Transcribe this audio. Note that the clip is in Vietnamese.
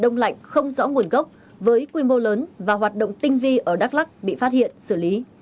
đông lạnh không rõ nguồn gốc với quy mô lớn và hoạt động tinh vi ở đắk lắc bị phát hiện xử lý